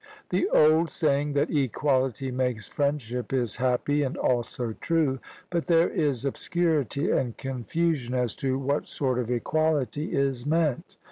The old saying, that 'equality makes friendship,' is happy and also true; but there is obscurity and confusion as to what sort of equality is meant.